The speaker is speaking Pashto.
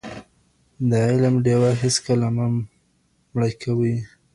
د علم ډېوه هيڅکله مه مړه کوئ.